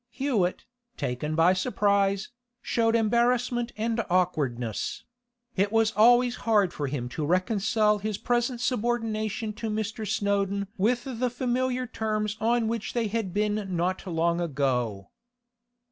Hewett, taken by surprise, showed embarrassment and awkwardness; it was always hard for him to reconcile his present subordination to Mr. Snowdon with the familiar terms on which they had been not long ago.